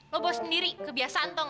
lo bawa sendiri kebiasaan toh